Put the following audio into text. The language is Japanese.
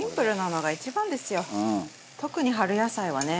特に春野菜はね。